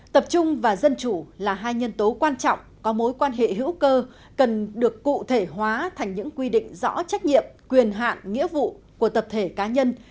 tập trung và dân chủ là hai nhân tố quan trọng có mối quan hệ hữu cơ cần được cụ thể hóa thành những quy định rõ trách nhiệm quyền hạn nghĩa vụ của tập thể cá nhân